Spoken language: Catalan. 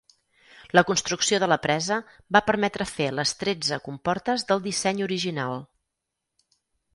La construcció de la presa va permetre fer les tretze comportes del disseny original.